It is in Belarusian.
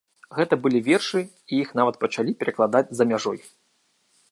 Гэта былі вершы, і іх нават пачалі перакладаць за мяжой.